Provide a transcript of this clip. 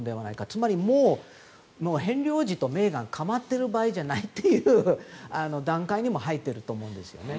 つまりもうヘンリー王子とメーガンを構っている場合ではないという段階にも入っていると思うんですよね。